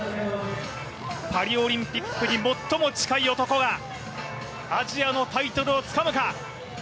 パリオリンピックに最も近い男がアジアのタイトルをつかむか。